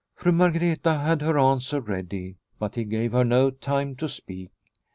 Fru Margreta had her answer ready, but he gave her no time to speak.